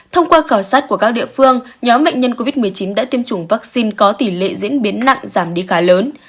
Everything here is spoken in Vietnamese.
thông qua khảo sát của các địa phương nhóm bệnh nhân covid một mươi chín đã tiêm chủng vaccine có tỷ lệ diễn biến nặng giảm đi khá lớn